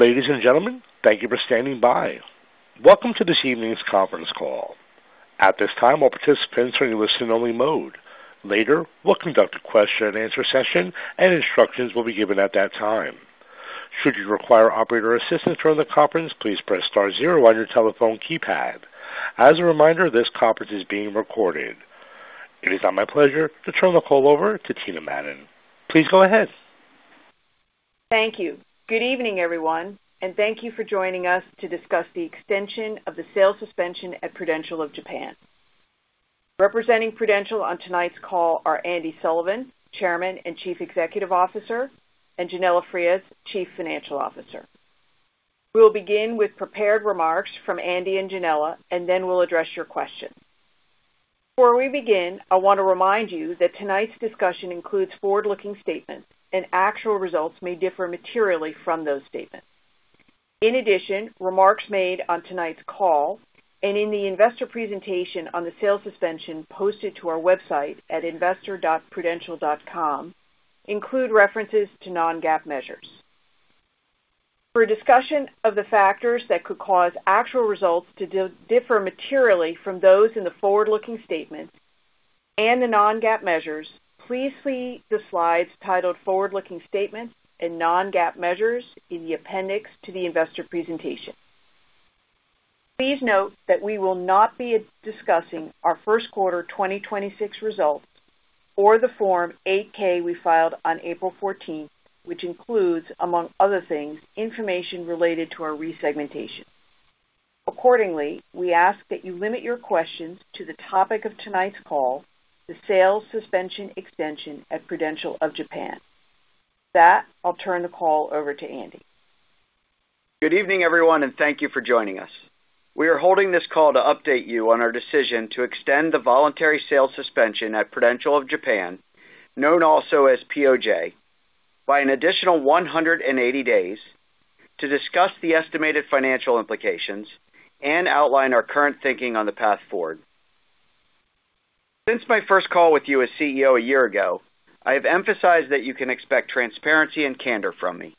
Ladies and gentlemen, thank you for standing by. Welcome to this evening's conference call. At this time, all participants are in listen only mode. Later, we'll conduct a question-and-answer session, and instructions will be given at that time. Should you require operator assistance during the conference, please press star zero on your telephone keypad. As a reminder, this conference is being recorded. It is now my pleasure to turn the call over to Tina Madon. Please go ahead. Thank you. Good evening, everyone, and thank you for joining us to discuss the extension of the sales suspension at Prudential of Japan. Representing Prudential on tonight's call are Andy Sullivan, Chairman and Chief Executive Officer, and Yanela Frias, Chief Financial Officer. We will begin with prepared remarks from Andy and Yanela and then we'll address your questions. Before we begin, I want to remind you that tonight's discussion includes forward-looking statements, and actual results may differ materially from those statements. In addition, remarks made on tonight's call and in the investor presentation on the sales suspension posted to our website at investor.prudential.com include references to non-GAAP measures. For a discussion of the factors that could cause actual results to differ materially from those in the forward-looking statements and the non-GAAP measures, please see the slides titled Forward-looking Statements and Non-GAAP Measures in the appendix to the investor presentation. Please note that we will not be discussing our first quarter 2026 results or the Form 8-K we filed on April 14th, which includes, among other things, information related to our resegmentation. Accordingly, we ask that you limit your questions to the topic of tonight's call, the sales suspension extension at Prudential of Japan. With that, I'll turn the call over to Andy. Good evening, everyone, and thank you for joining us. We are holding this call to update you on our decision to extend the voluntary sales suspension at Prudential of Japan, known also as POJ, by an additional 180 days to discuss the estimated financial implications and outline our current thinking on the path forward. Since my first call with you as CEO a year ago, I have emphasized that you can expect transparency and candor from me.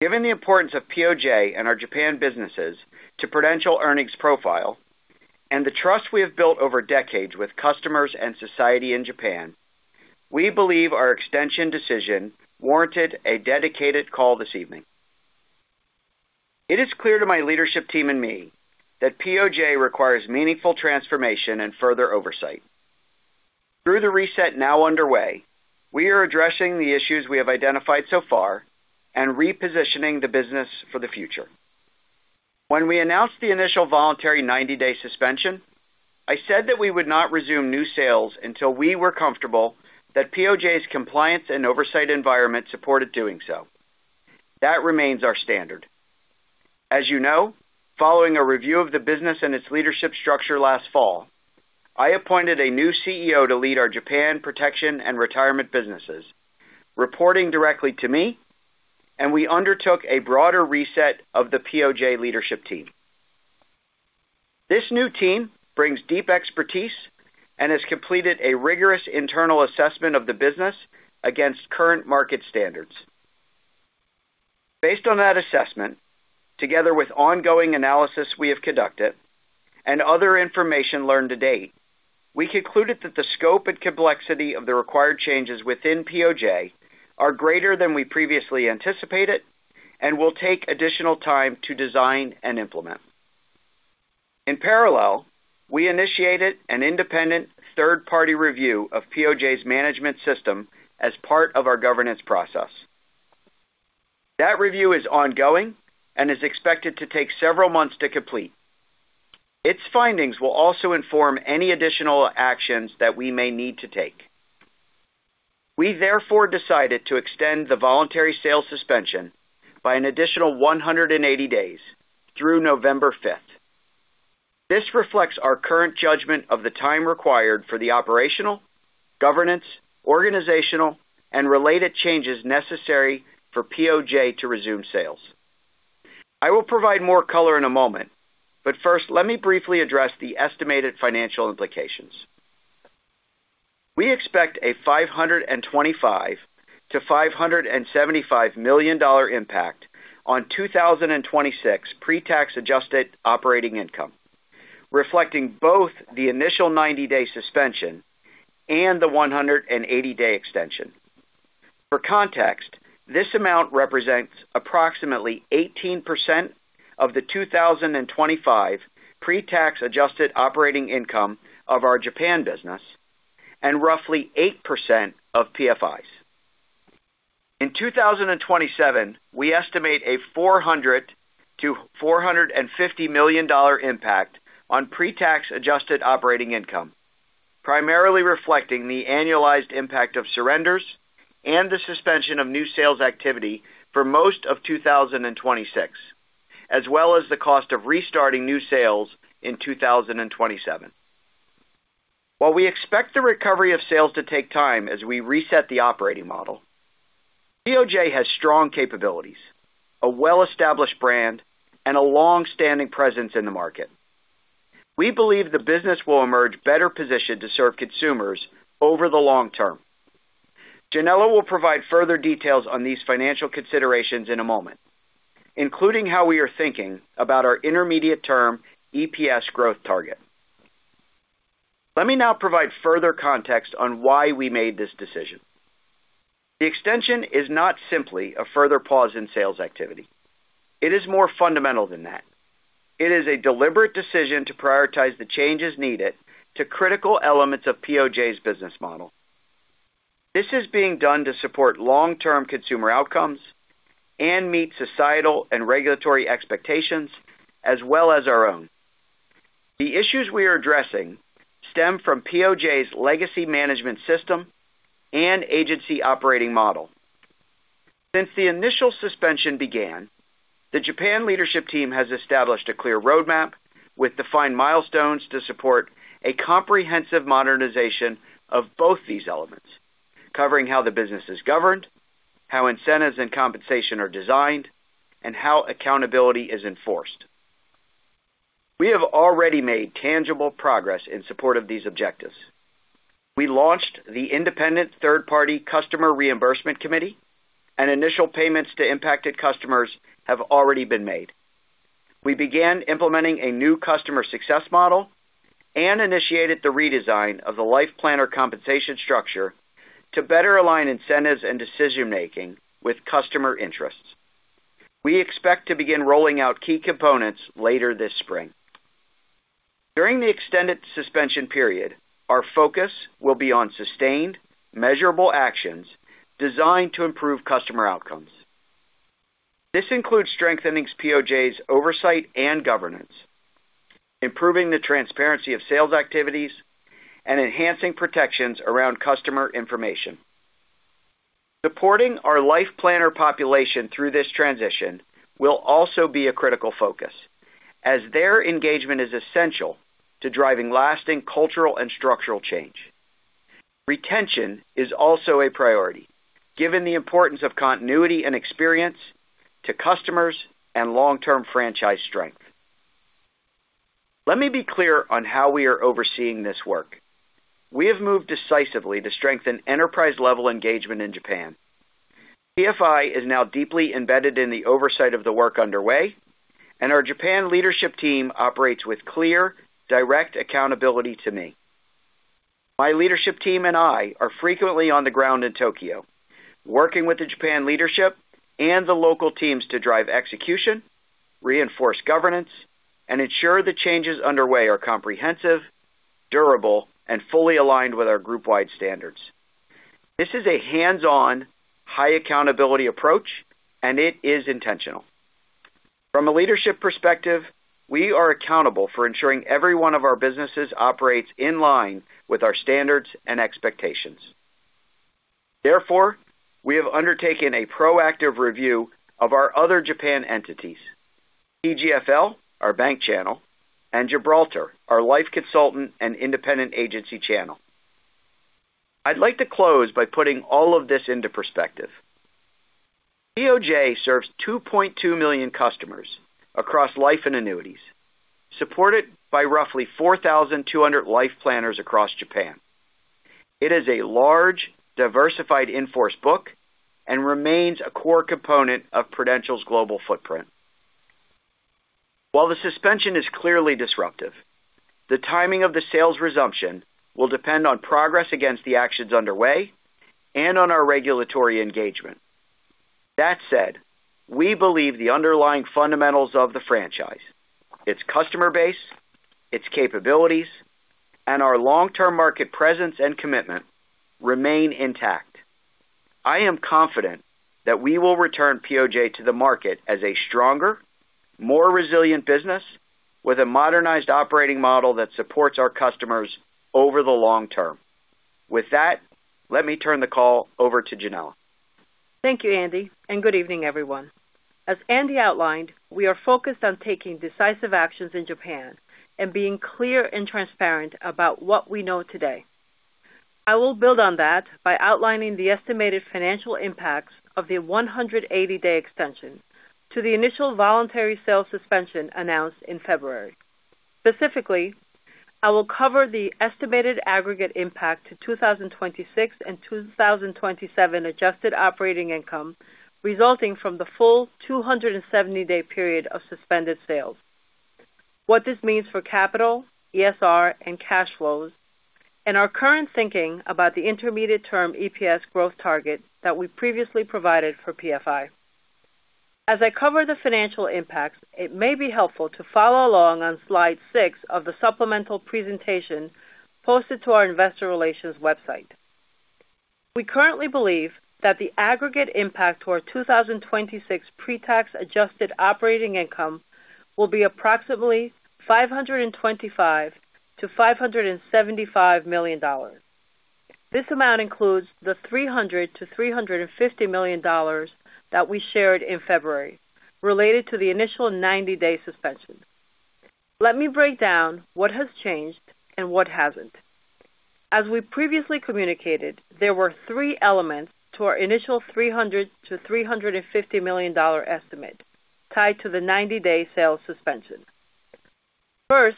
Given the importance of POJ and our Japan businesses to Prudential earnings profile and the trust we have built over decades with customers and society in Japan, we believe our extension decision warranted a dedicated call this evening. It is clear to my leadership team and me that POJ requires meaningful transformation and further oversight. Through the reset now underway, we are addressing the issues we have identified so far and repositioning the business for the future. When we announced the initial voluntary 90-day suspension, I said that we would not resume new sales until we were comfortable that POJ's compliance and oversight environment supported doing so. That remains our standard. As you know, following a review of the business and its leadership structure last fall, I appointed a new CEO to lead our Japan Protection and Retirement businesses, reporting directly to me, and we undertook a broader reset of the POJ leadership team. This new team brings deep expertise and has completed a rigorous internal assessment of the business against current market standards. Based on that assessment, together with ongoing analysis we have conducted, and other information learned to date, we concluded that the scope and complexity of the required changes within POJ are greater than we previously anticipated and will take additional time to design and implement. In parallel, we initiated an independent third-party review of POJ's management system as part of our governance process. That review is ongoing and is expected to take several months to complete. Its findings will also inform any additional actions that we may need to take. We therefore decided to extend the voluntary sales suspension by an additional 180 days through November 5th. This reflects our current judgment of the time required for the operational, governance, organizational, and related changes necessary for POJ to resume sales. I will provide more color in a moment but first, let me briefly address the estimated financial implications. We expect a $525 million-$575 million impact on 2026 pre-tax adjusted operating income, reflecting both the initial 90-day suspension and the 180-day extension. For context, this amount represents approximately 18% of the 2025 pre-tax adjusted operating income of our Japan business and roughly 8% of PFI's. In 2027, we estimate a $400 million-$450 million impact on pre-tax adjusted operating income, primarily reflecting the annualized impact of surrenders and the suspension of new sales activity for most of 2026, as well as the cost of restarting new sales in 2027. While we expect the recovery of sales to take time as we reset the operating model, POJ has strong capabilities, a well-established brand, and a long-standing presence in the market. We believe the business will emerge better positioned to serve consumers over the long term. Yanela will provide further details on these financial considerations in a moment, including how we are thinking about our intermediate term EPS growth target. Let me now provide further context on why we made this decision. The extension is not simply a further pause in sales activity. It is more fundamental than that. It is a deliberate decision to prioritize the changes needed to critical elements of POJ's business model. This is being done to support long-term consumer outcomes and meet societal and regulatory expectations, as well as our own. The issues we are addressing stem from POJ's legacy management system and agency operating model. Since the initial suspension began, the Japan leadership team has established a clear roadmap with defined milestones to support a comprehensive modernization of both these elements, covering how the business is governed, how incentives and compensation are designed, and how accountability is enforced. We have already made tangible progress in support of these objectives. We launched the independent third-party customer reimbursement committee, and initial payments to impacted customers have already been made. We began implementing a new customer success model and initiated the redesign of the Life Planner compensation structure to better align incentives and decision-making with customer interests. We expect to begin rolling out key components later this spring. During the extended suspension period, our focus will be on sustained, measurable actions designed to improve customer outcomes. This includes strengthening POJ's oversight and governance, improving the transparency of sales activities, and enhancing protections around customer information. Supporting our Life Planner population through this transition will also be a critical focus as their engagement is essential to driving lasting cultural and structural change. Retention is also a priority, given the importance of continuity and experience to customers and long-term franchise strength. Let me be clear on how we are overseeing this work. We have moved decisively to strengthen enterprise-level engagement in Japan. PFI is now deeply embedded in the oversight of the work underway, and our Japan leadership team operates with clear, direct accountability to me. My leadership team and I are frequently on the ground in Tokyo, working with the Japan leadership and the local teams to drive execution, reinforce governance, and ensure the changes underway are comprehensive, durable, and fully aligned with our group-wide standards. This is a hands-on, high-accountability approach, and it is intentional. From a leadership perspective, we are accountable for ensuring every one of our businesses operates in line with our standards and expectations. Therefore, we have undertaken a proactive review of our other Japan entities, PGFL, our bank channel, and Gibraltar, our life consultant and independent agency channel. I'd like to close by putting all of this into perspective. POJ serves 2.2 million customers across life and annuities, supported by roughly 4,200 Life Planners across Japan. It is a large, diversified in-force book and remains a core component of Prudential's global footprint. While the suspension is clearly disruptive, the timing of the sales resumption will depend on progress against the actions underway and on our regulatory engagement. That said, we believe the underlying fundamentals of the franchise, its customer base, its capabilities, and our long-term market presence and commitment remain intact. I am confident that we will return POJ to the market as a stronger, more resilient business with a modernized operating model that supports our customers over the long term. With that, let me turn the call over to Yanela. Thank you, Andy, and good evening, everyone. As Andy outlined, we are focused on taking decisive actions in Japan and being clear and transparent about what we know today. I will build on that by outlining the estimated financial impacts of the 180-day extension to the initial voluntary sales suspension announced in February. Specifically, I will cover the estimated aggregate impact to 2026 and 2027 adjusted operating income resulting from the full 270-day period of suspended sales. What this means for capital, ESR, and cash flows, and our current thinking about the intermediate-term EPS growth target that we previously provided for PFI. As I cover the financial impacts, it may be helpful to follow along on slide six of the supplemental presentation posted to our investor relations website. We currently believe that the aggregate impact to our 2026 pre-tax adjusted operating income will be approximately $525 million-$575 million. This amount includes the $300 million-$350 million that we shared in February, related to the initial 90-day suspension. Let me break down what has changed and what hasn't. As we previously communicated, there were three elements to our initial $300 million-$350 million estimate tied to the 90-day sales suspension. First,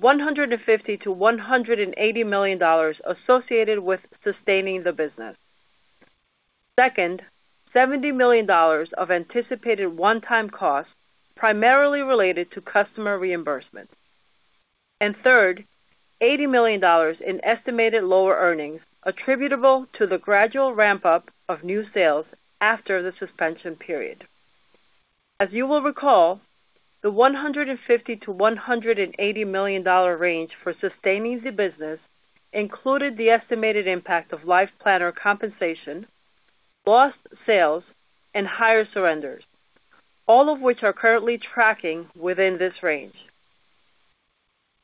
$150 million-$180 million associated with sustaining the business. Second, $70 million of anticipated one-time costs, primarily related to customer reimbursement. And third, $80 million in estimated lower earnings attributable to the gradual ramp-up of new sales after the suspension period. As you will recall, the $150 million-$180 million range for sustaining the business included the estimated impact of Life Planner compensation, lost sales, and higher surrenders, all of which are currently tracking within this range.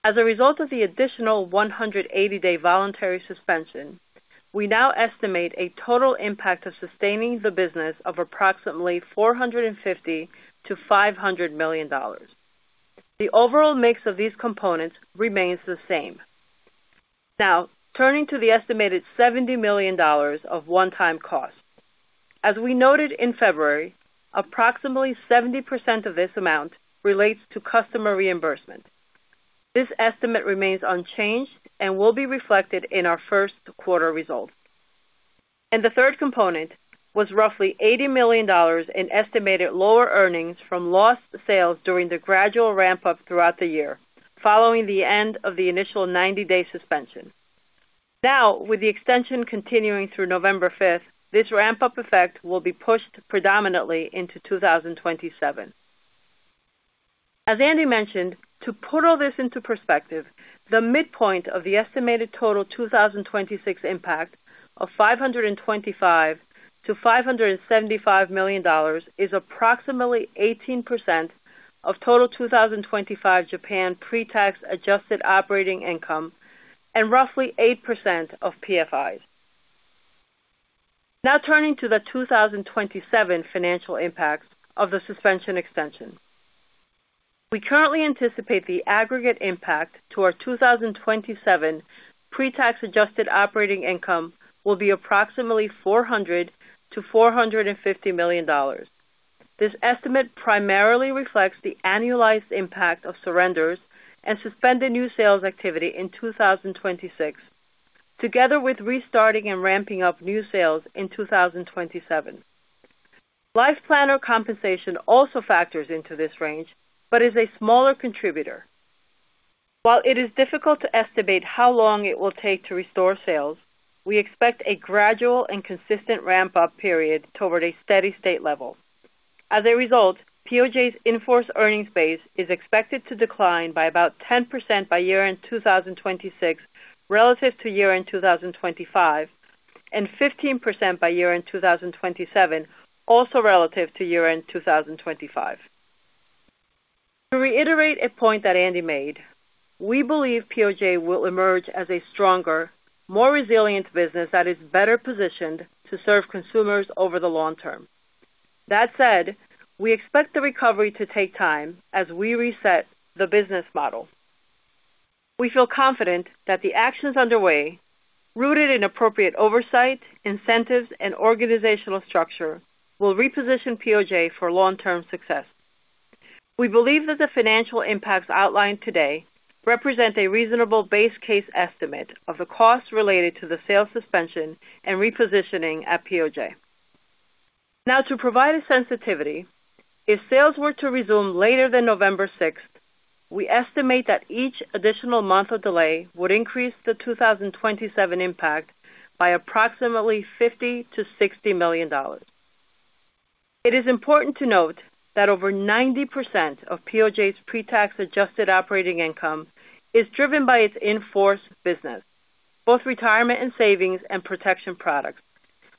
As a result of the additional 180-day voluntary suspension, we now estimate a total impact of sustaining the business of approximately $450 million-$500 million. The overall mix of these components remains the same. Now, turning to the estimated $70 million of one-time costs. As we noted in February, approximately 70% of this amount relates to customer reimbursement. This estimate remains unchanged and will be reflected in our first quarter results. The third component was roughly $80 million in estimated lower earnings from lost sales during the gradual ramp-up throughout the year, following the end of the initial 90-day suspension. Now, with the extension continuing through November 5th, this ramp-up effect will be pushed predominantly into 2027. As Andy mentioned, to put all this into perspective, the midpoint of the estimated total 2026 impact of $525 million-$575 million is approximately 18% of total 2025 Japan pre-tax adjusted operating income and roughly 8% of PFI. Now turning to the 2027 financial impact of the suspension extension. We currently anticipate the aggregate impact to our 2027 pre-tax adjusted operating income will be approximately $400 million-$450 million. This estimate primarily reflects the annualized impact of surrenders and suspended new sales activity in 2026, together with restarting and ramping up new sales in 2027. Life Planner compensation also factors into this range but is a smaller contributor. While it is difficult to estimate how long it will take to restore sales, we expect a gradual and consistent ramp-up period toward a steady state level. As a result, POJ's in-force earnings base is expected to decline by about 10% by year-end 2026 relative to year-end 2025, and 15% by year-end 2027, also relative to year-end 2025. To reiterate a point that Andy made, we believe POJ will emerge as a stronger, more resilient business that is better positioned to serve consumers over the long term. That said, we expect the recovery to take time as we reset the business model. We feel confident that the actions underway, rooted in appropriate oversight, incentives, and organizational structure, will reposition POJ for long-term success. We believe that the financial impacts outlined today represent a reasonable base case estimate of the costs related to the sales suspension and repositioning at POJ. To provide a sensitivity, if sales were to resume later than November 6th, we estimate that each additional month of delay would increase the 2027 impact by approximately $50 million-$60 million. It is important to note that over 90% of POJ's pre-tax adjusted operating income is driven by its in-force business, both retirement and savings and protection products,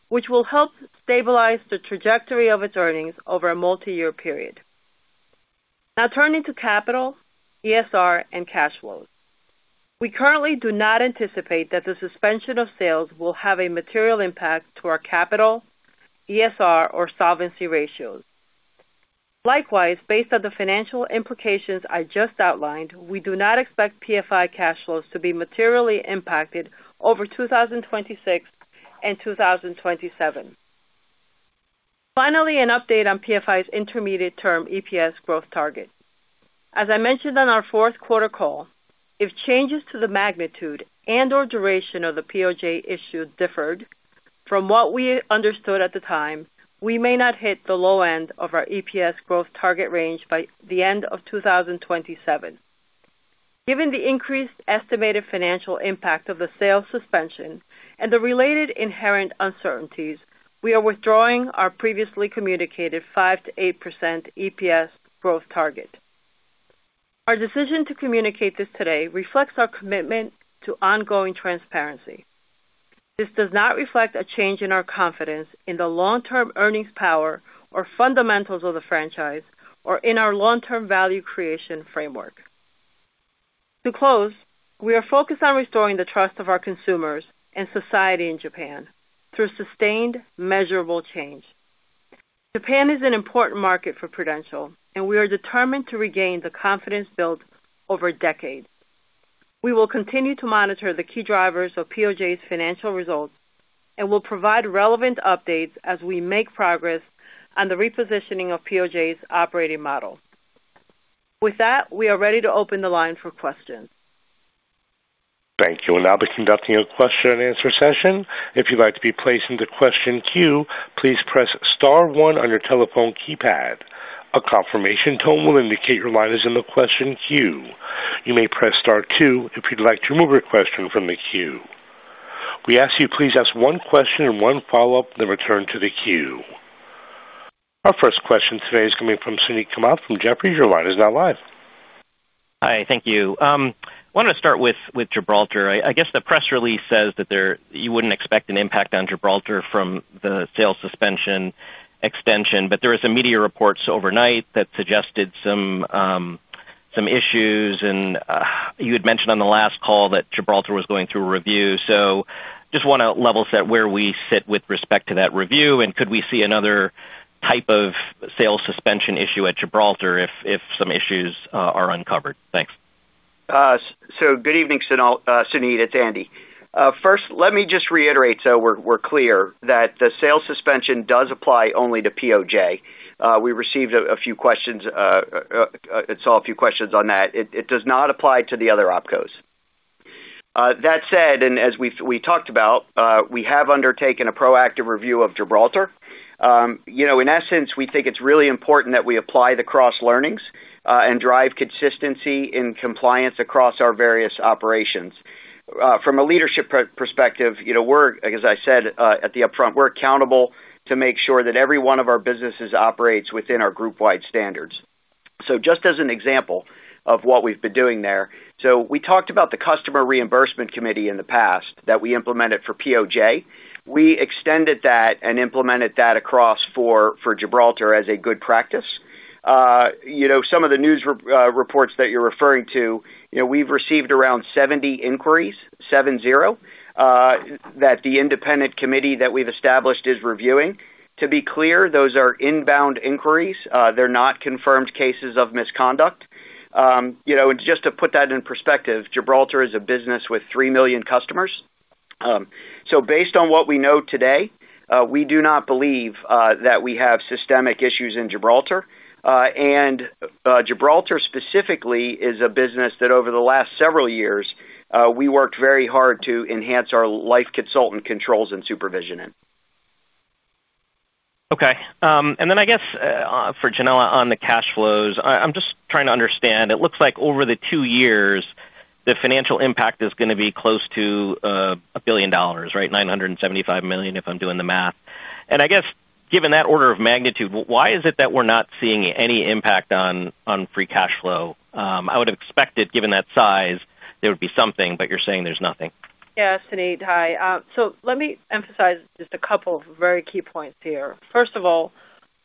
which will help stabilize the trajectory of its earnings over a multi-year period. Turning to capital, ESR, and cash flows. We currently do not anticipate that the suspension of sales will have a material impact to our capital, ESR, or solvency ratios. Likewise, based on the financial implications I just outlined, we do not expect PFI cash flows to be materially impacted over 2026 and 2027. Finally, an update on PFI's intermediate term EPS growth target. As I mentioned on our fourth quarter call, if changes to the magnitude and/or duration of the POJ issue differed from what we understood at the time, we may not hit the low end of our EPS growth target range by the end of 2027. Given the increased estimated financial impact of the sales suspension and the related inherent uncertainties, we are withdrawing our previously communicated 5%-8% EPS growth target. Our decision to communicate this today reflects our commitment to ongoing transparency. This does not reflect a change in our confidence in the long-term earnings power or fundamentals of the franchise or in our long-term value creation framework. To close, we are focused on restoring the trust of our consumers and society in Japan through sustained, measurable change. Japan is an important market for Prudential, and we are determined to regain the confidence built over decades. We will continue to monitor the key drivers of POJ's financial results, and we'll provide relevant updates as we make progress on the repositioning of POJ's operating model. With that, we are ready to open the line for questions. Thank you. We'll now be conducting a question-and-answer session. If you'd like to be placed into the question queue, please press star one on your telephone keypad. A confirmation tone will indicate your line is in the question queue. You may press star two if you'd like to remove your question from the queue. We ask you please ask one question and one follow-up, then return to the queue. Our first question today is coming from Suneet Kamath from Jefferies. Your line is now live. Hi. Thank you. I want to start with Gibraltar. I guess the press release says that you wouldn't expect an impact on Gibraltar from the sales suspension extension, but there was some media reports overnight that suggested some issues. You had mentioned on the last call that Gibraltar was going through a review. Just want to level set where we sit with respect to that review, and could we see another type of sales suspension issue at Gibraltar if some issues are uncovered? Thanks. Good evening, Suneet. It's Andy. First, let me just reiterate so we're clear that the sales suspension does apply only to POJ. We received a few questions and saw a few questions on that. It does not apply to the other OpCos. That said, and as we talked about, we have undertaken a proactive review of Gibraltar. In essence, we think it's really important that we apply the cross-learnings and drive consistency in compliance across our various operations. From a leadership perspective, as I said at the upfront, we're accountable to make sure that every one of our businesses operates within our group-wide standards. Just as an example of what we've been doing there, we talked about the customer reimbursement committee in the past that we implemented for POJ. We extended that and implemented that across for Gibraltar as a good practice. Some of the news reports that you're referring to, we've received around 70 inquiries, seven zero, that the independent committee that we've established is reviewing. To be clear, those are inbound inquiries. They're not confirmed cases of misconduct. Just to put that in perspective, Gibraltar is a business with three million customers. Based on what we know today, we do not believe that we have systemic issues in Gibraltar. Gibraltar specifically is a business that over the last several years we worked very hard to enhance our life consultant controls and supervision in. Okay. I guess for Yanela on the cash flows, I'm just trying to understand. It looks like over the two years, the financial impact is going to be close to $1 billion, right? $975 million, if I'm doing the math. I guess given that order of magnitude, why is it that we're not seeing any impact on free cash flow? I would have expected, given that size, there would be something, but you're saying there's nothing. Yes, Suneet. Hi. Let me emphasize just a couple of very key points here. First of all,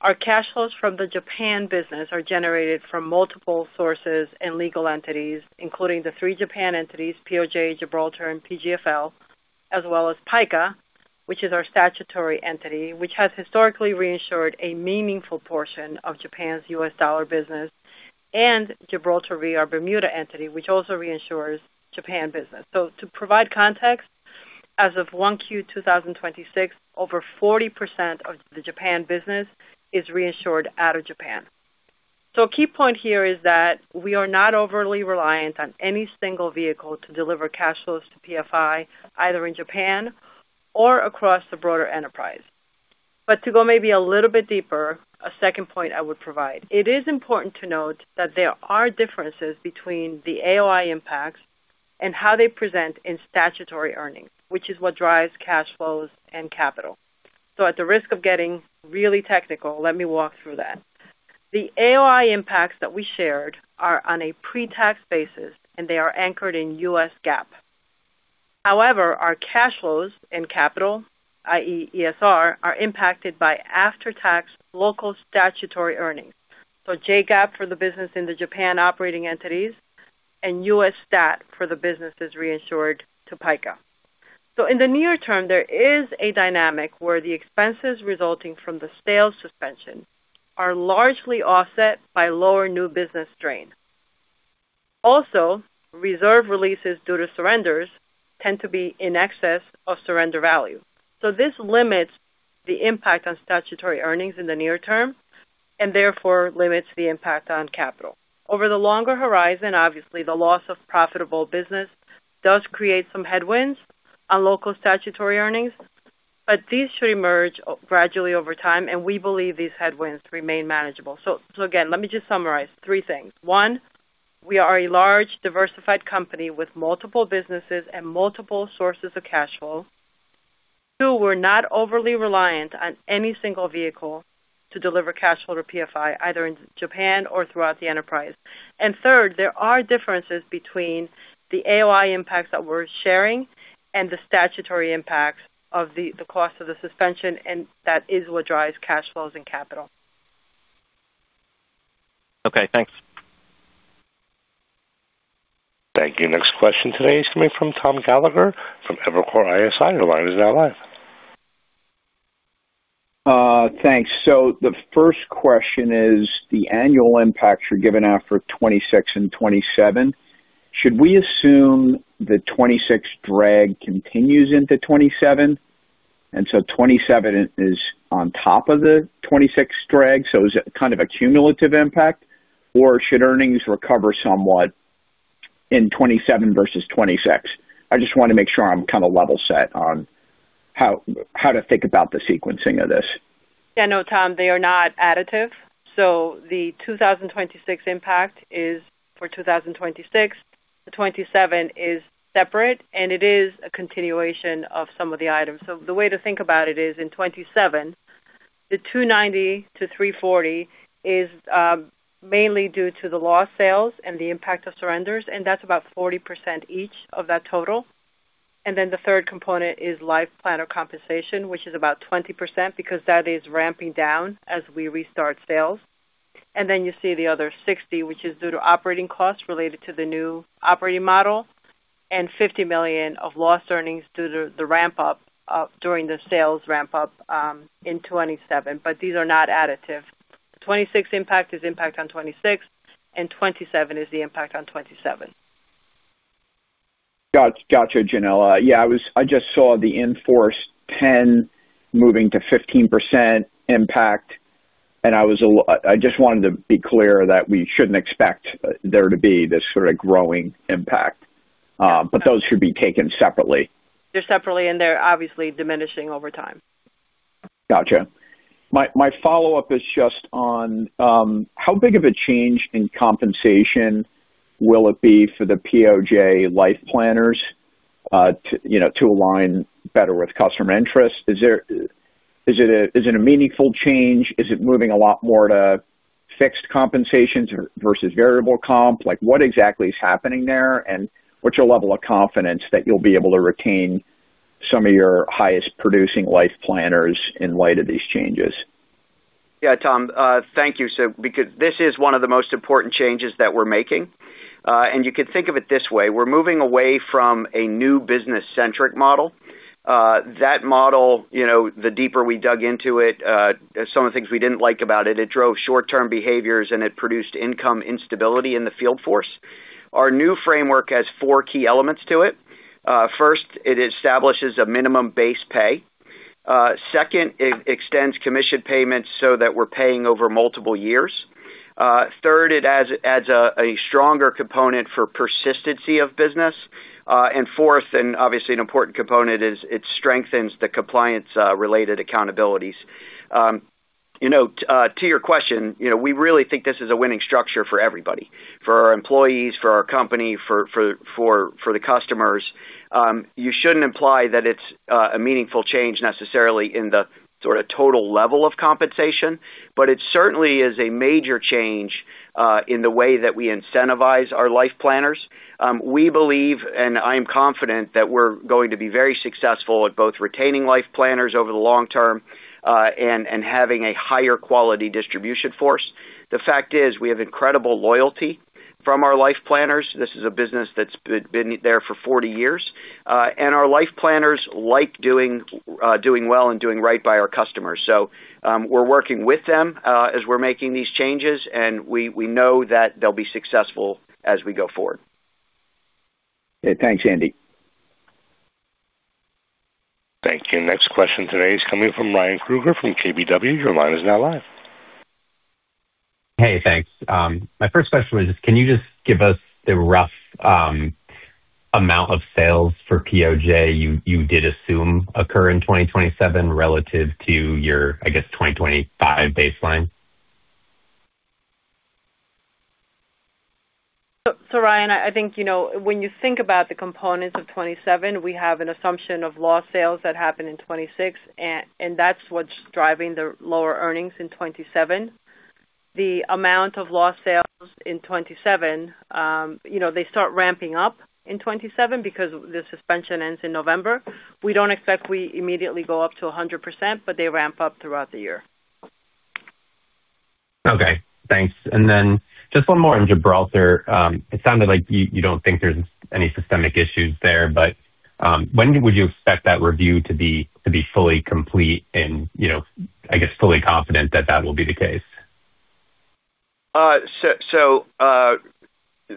our cash flows from the Japan business are generated from multiple sources and legal entities, including the three Japan entities: POJ, Gibraltar, and PGFL, as well as PICA, which is our statutory entity, which has historically reinsured a meaningful portion of Japan's U.S. dollar business, and Gibraltar Re, our Bermuda entity, which also reinsures Japan business. To provide context, as of 1Q 2026, over 40% of the Japan business is reinsured out of Japan. A key point here is that we are not overly reliant on any single vehicle to deliver cash flows to PFI, either in Japan or across the broader enterprise. To go maybe a little bit deeper, a second point I would provide. It is important to note that there are differences between the AOI impacts and how they present in statutory earnings, which is what drives cash flows and capital. At the risk of getting really technical, let me walk through that. The AOI impacts that we shared are on a pre-tax basis, and they are anchored in U.S. GAAP. However, our cash flows and capital, i.e. ESR, are impacted by after-tax local statutory earnings. J-GAAP for the business in the Japan operating entities and U.S. GAAP for the businesses reinsured to PICA. In the near term, there is a dynamic where the expenses resulting from the sales suspension are largely offset by lower new business strain. Also, reserve releases due to surrenders tend to be in excess of surrender value. This limits the impact on statutory earnings in the near term and therefore limits the impact on capital. Over the longer horizon, obviously, the loss of profitable business does create some headwinds on local statutory earnings, but these should emerge gradually over time, and we believe these headwinds remain manageable. Again, let me just summarize three things. One, we are a large, diversified company with multiple businesses and multiple sources of cash flow. Two, we're not overly reliant on any single vehicle to deliver cash flow to PFI, either in Japan or throughout the enterprise. And third, there are differences between the AOI impacts that we're sharing and the statutory impacts of the cost of the suspension, and that is what drives cash flows and capital. Okay, thanks. Thank you. Next question today is coming from Tom Gallagher from Evercore ISI. Your line is now live. Thanks. The first question is the annual impacts you're given out for 2026 and 2027. Should we assume the 2026 drag continues into 2027? 2027 is on top of the 2026 drag. Is it kind of a cumulative impact or should earnings recover somewhat in 2027 versus 2026? I just want to make sure I'm kind of level set on how to think about the sequencing of this. Yeah, no, Tom, they are not additive. The 2026 impact is for 2026. The 2027 is separate and it is a continuation of some of the items. The way to think about it is in 2027, the $290 million-$340 million is mainly due to the lost sales and the impact of surrenders, and that's about 40% each of that total. The third component is Life Planner compensation, which is about 20% because that is ramping down as we restart sales. You see the other $60 million, which is due to operating costs related to the new operating model and $50 million of lost earnings due to the ramp up during the sales ramp up, in 2027. These are not additive. The 2026 impact is the impact on 2026 and 2027 is the impact on 2027. Got you, Yanela. Yeah, I just saw the in-force 10 moving to 15% impact, and I just wanted to be clear that we shouldn't expect there to be this sort of growing impact. Those should be taken separately. They're separately, and they're obviously diminishing over time. Got you. My follow-up is just on, how big of a change in compensation will it be for the POJ Life Planners to align better with customer interest? Is it a meaningful change? Is it moving a lot more to fixed compensations versus variable comp? Like, what exactly is happening there, and what's your level of confidence that you'll be able to retain some of your highest producing Life Planners in light of these changes? Yeah, Tom, thank you. Because this is one of the most important changes that we're making, and you could think of it this way, we're moving away from a new business centric model. That model, the deeper we dug into it, some of the things we didn't like about it drove short-term behaviors, and it produced income instability in the field force. Our new framework has four key elements to it. First, it establishes a minimum base pay. Second, it extends commission payments so that we're paying over multiple years. Third, it adds a stronger component for persistency of business, and fourth, and obviously an important component, is it strengthens the compliance related accountabilities. To your question, we really think this is a winning structure for everybody, for our employees, for our company, for the customers. You shouldn't imply that it's a meaningful change necessarily in the sort of total level of compensation, but it certainly is a major change in the way that we incentivize our Life Planners. We believe, and I am confident that we're going to be very successful at both retaining Life Planners over the long term and having a higher quality distribution force. The fact is, we have incredible loyalty from our Life Planners. This is a business that's been there for 40 years. Our Life Planners like doing well and doing right by our customers. We're working with them as we're making these changes, and we know that they'll be successful as we go forward. Thanks, Andy. Thank you. Next question today is coming from Ryan Krueger from KBW. Your line is now live. Hey, thanks. My first question is, can you just give us the rough amount of sales for POJ you did assume occur in 2027 relative to your, I guess, 2025 baseline? Ryan, I think when you think about the components of 2027, we have an assumption of lost sales that happened in 2026, and that's what's driving the lower earnings in 2027. The amount of lost sales in 2027, they start ramping up in 2027 because the suspension ends in November. We don't expect we immediately go up to 100%, but they ramp up throughout the year. Okay, thanks. Just one more on Gibraltar. It sounded like you don't think there's any systemic issues there, but when would you expect that review to be fully complete and, I guess, fully confident that will be the case?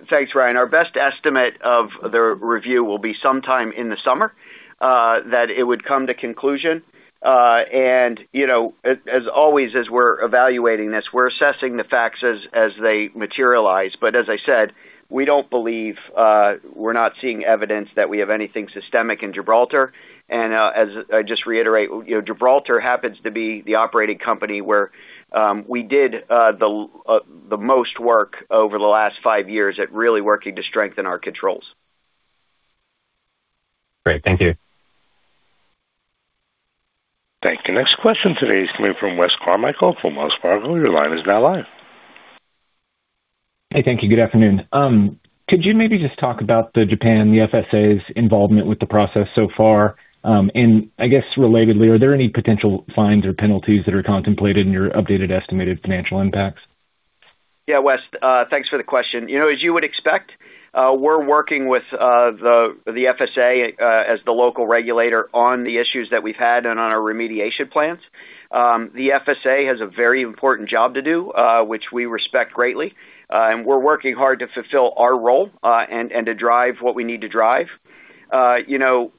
Thanks, Ryan. Our best estimate of the review will be sometime in the summer that it would come to conclusion. As always, as we're evaluating this, we're assessing the facts as they materialize. As I said, we don't believe we're not seeing evidence that we have anything systemic in Gibraltar. I just reiterate, Gibraltar happens to be the operating company where we did the most work over the last five years at really working to strengthen our controls. Great. Thank you. Thank you. Next question today is coming from Wes Carmichael from Wells Fargo. Your line is now live. Hey, thank you. Good afternoon. Could you maybe just talk about the Japan, the FSA's involvement with the process so far? I guess relatedly, are there any potential fines or penalties that are contemplated in your updated estimated financial impacts? Yeah, Wes. Thanks for the question. As you would expect, we're working with the FSA as the local regulator on the issues that we've had and on our remediation plans. The FSA has a very important job to do, which we respect greatly. We're working hard to fulfill our role, and to drive what we need to drive.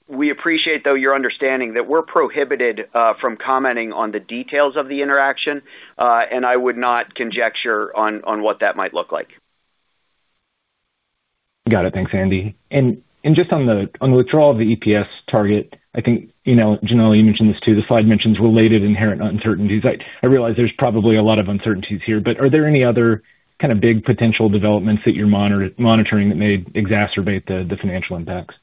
We appreciate, though, your understanding that we're prohibited from commenting on the details of the interaction, and I would not conjecture on what that might look like. Got it. Thanks, Andy. Just on the withdrawal of the EPS target, I think, Yanela, you mentioned this too, the slide mentions related inherent uncertainties. I realize there's probably a lot of uncertainties here, but are there any other kind of big potential developments that you're monitoring that may exacerbate the financial impacts?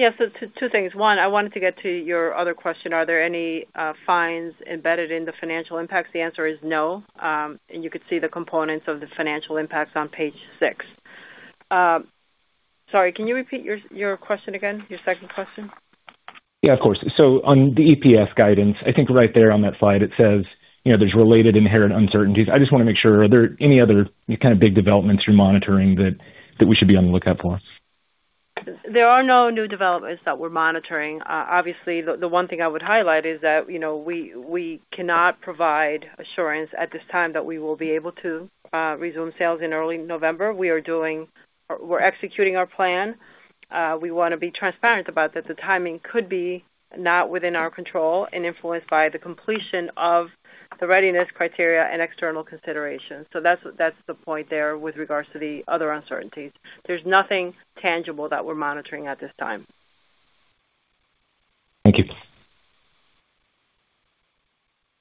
Yeah. Two things: one, I wanted to get to your other question, are there any fines embedded in the financial impacts? The answer is no. You could see the components of the financial impacts on page six. Sorry, can you repeat your question again, your second question? Yeah, of course. On the EPS guidance, I think right there on that slide it says, there's related inherent uncertainties. I just want to make sure, are there any other kind of big developments you're monitoring that we should be on the lookout for? There are no new developments that we're monitoring. Obviously, the one thing I would highlight is that we cannot provide assurance at this time that we will be able to resume sales in early November. We're executing our plan. We want to be transparent about that the timing could be not within our control and influenced by the completion of the readiness criteria and external considerations. That's the point there with regards to the other uncertainties. There's nothing tangible that we're monitoring at this time. Thank you.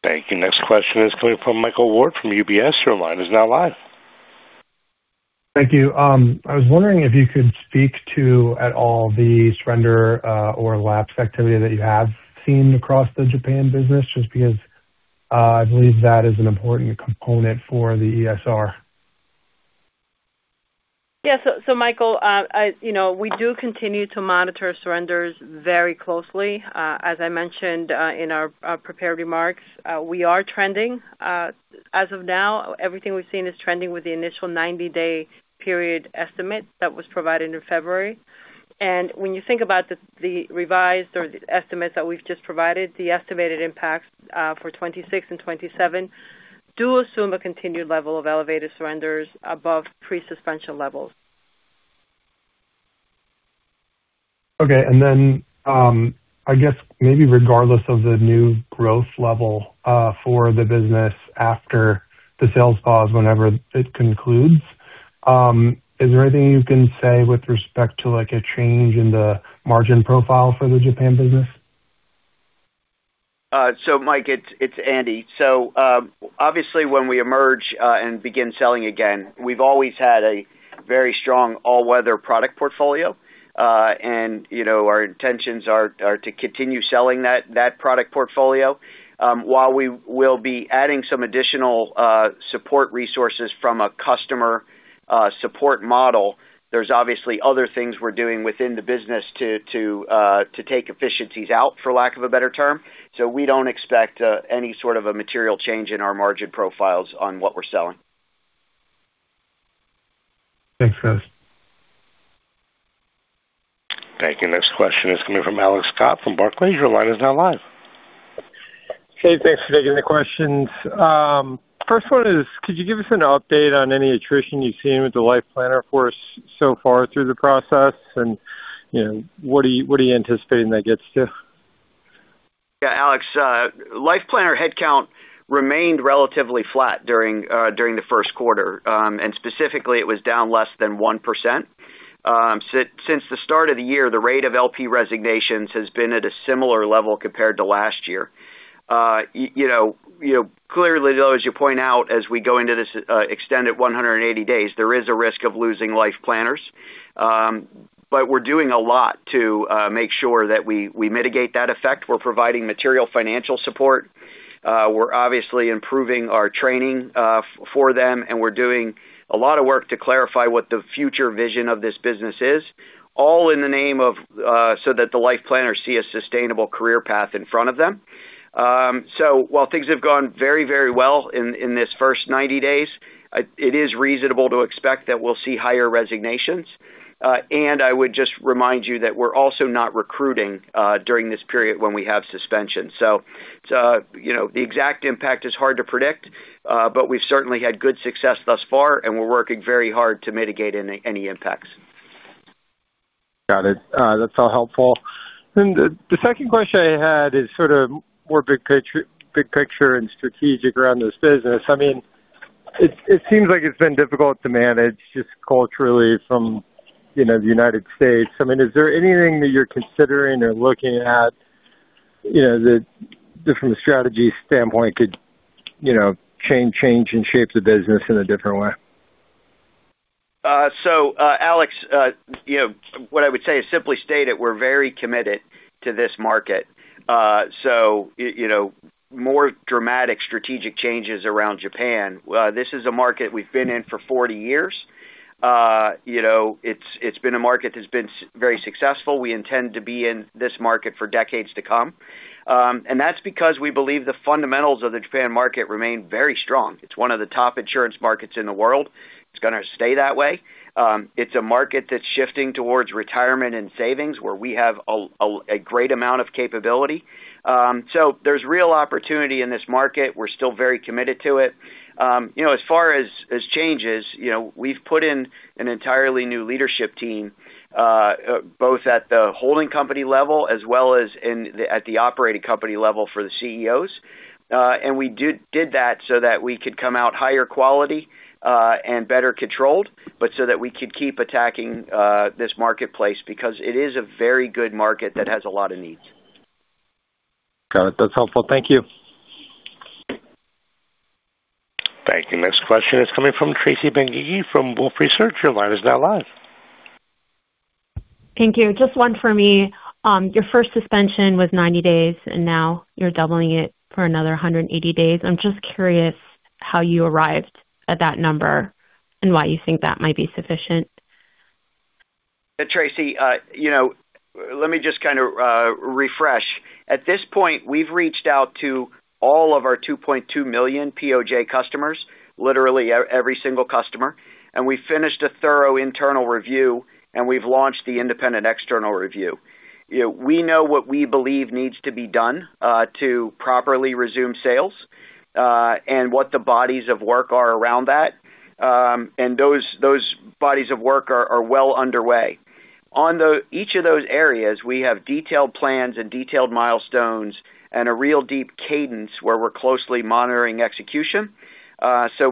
Thank you. Next question is coming from Michael Ward from UBS. Your line is now live. Thank you. I was wondering if you could speak to that at all the surrender, or lapse activity that you have seen across the Japan business, just because I believe that is an important component for the ESR. Yeah. Michael, we do continue to monitor surrenders very closely. As I mentioned in our prepared remarks, we are trending. As of now, everything we've seen is trending with the initial 90-day period estimate that was provided in February. When you think about the revised or the estimates that we've just provided, the estimated impacts for 2026 and 2027 do assume a continued level of elevated surrenders above pre-suspension levels. Okay. I guess maybe regardless of the new growth level for the business after the sales pause, whenever it concludes, is there anything you can say with respect to, like, a change in the margin profile for the Japan business? Mike, it's Andy. Obviously when we emerge, and begin selling again, we've always had a very strong all-weather product portfolio. Our intentions are to continue selling that product portfolio. While we will be adding some additional support resources from a customer support model, there's obviously other things we're doing within the business to take efficiencies out, for lack of a better term. We don't expect any sort of a material change in our margin profiles on what we're selling. Thanks, guys. Thank you. Next question is coming from Alex Scott from Barclays. Your line is now live. Hey, thanks for taking the questions. First one is, could you give us an update on any attrition you've seen with the Life Planner force so far through the process? What are you anticipating that gets to? Yeah. Alex, Life Planner headcount remained relatively flat during the first quarter. Specifically, it was down less than 1%. Since the start of the year, the rate of LP resignations has been at a similar level compared to last year. Clearly though, as you point out, as we go into this extended 180 days, there is a risk of losing Life Planners. We're doing a lot to make sure that we mitigate that effect. We're providing material financial support. We're obviously improving our training for them, and we're doing a lot of work to clarify what the future vision of this business is, all in the name of so that the Life Planners see a sustainable career path in front of them. While things have gone very well in this first 90 days, it is reasonable to expect that we'll see higher resignations. I would just remind you that we're also not recruiting during this period when we have suspension. The exact impact is hard to predict, but we've certainly had good success thus far, and we're working very hard to mitigate any impacts. Got it. That's all helpful. The second question I had is sort of more big picture and strategic around this business. I mean, it seems like it's been difficult to manage just culturally from United States. I mean, is there anything that you're considering or looking at just from a strategy standpoint to change and shape the business in a different way? Alex, what I would say is simply state it, we're very committed to this market. More dramatic strategic changes around Japan. This is a market we've been in for 40 years. It's been a market that's been very successful. We intend to be in this market for decades to come, and that's because we believe the fundamentals of the Japan market remain very strong. It's one of the top insurance markets in the world. It's going to stay that way. It's a market that's shifting towards retirement and savings, where we have a great amount of capability. There's real opportunity in this market. We're still very committed to it. As far as changes, we've put in an entirely new leadership team, both at the holding company level as well as at the operating company level for the CEOs. We did that so that we could come out higher quality and better controlled, but so that we could keep attacking this marketplace because it is a very good market that has a lot of needs. Got it. That's helpful. Thank you. Thank you. Next question is coming from Tracy Benguigui from Wolfe Research. Your line is now live. Thank you. Just one for me. Your first suspension was 90 days, and now you're doubling it for another 180 days. I'm just curious how you arrived at that number and why you think that might be sufficient. Tracy, let me just kind of refresh. At this point, we've reached out to all of our 2.2 million POJ customers, literally every single customer, and we finished a thorough internal review, and we've launched the independent external review. We know what we believe needs to be done to properly resume sales, and what the bodies of work are around that, and those bodies of work are well underway. On each of those areas, we have detailed plans and detailed milestones and a real deep cadence where we're closely monitoring execution.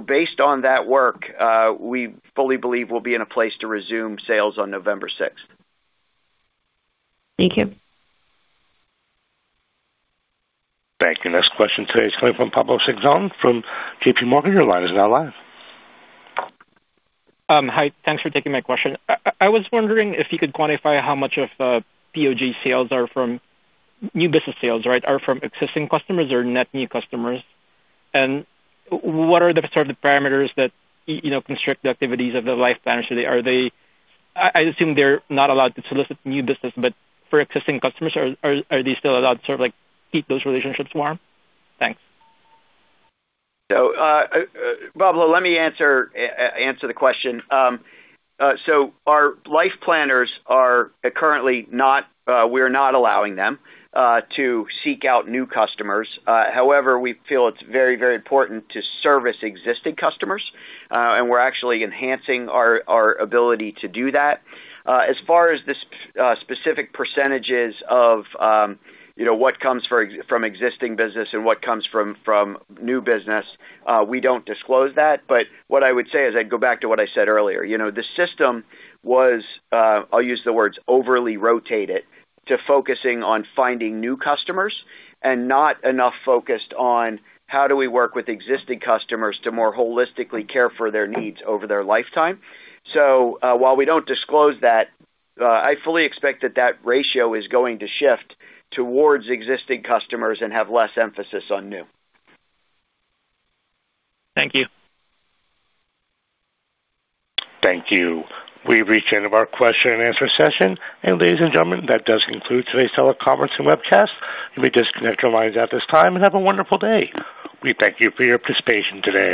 Based on that work, we fully believe we'll be in a place to resume sales on November 6th. Thank you. Thank you. Next question today is coming from Pablo Singzon from JPMorgan. Your line is now live. Hi. Thanks for taking my question. I was wondering if you could quantify how much of the POJ sales are from new business sales, are from existing customers or net new customers? What are the sort of parameters that constrict the activities of the Life Planners? I assume they're not allowed to solicit new business, but for existing customers, are they still allowed to sort of keep those relationships warm? Thanks. Pablo, let me answer the question. Our Life Planners are currently not— We're not allowing them to seek out new customers. However, we feel it's very important to service existing customers, and we're actually enhancing our ability to do that. As far as the specific percentages of what comes from existing business and what comes from new business, we don't disclose that. But what I would say is I'd go back to what I said earlier. The system was, I'll use the words overly rotated to focusing on finding new customers and not enough focused on how do we work with existing customers to more holistically care for their needs over their lifetime. While we don't disclose that, I fully expect that that ratio is going to shift towards existing customers and have less emphasis on new. Thank you. Thank you. We've reached the end of our question-and-answer session. Ladies and gentlemen, that does conclude today's teleconference and webcast. You may disconnect your lines at this time and have a wonderful day. We thank you for your participation today.